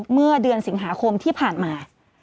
เมื่อเดือนสิงหาคมที่ผ่านมา